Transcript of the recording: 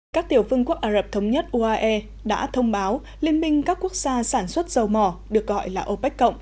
các tiểu vương quốc ả rập thống nhất uae đã thông báo liên minh các quốc gia sản xuất dầu mỏ được gọi là opec cộng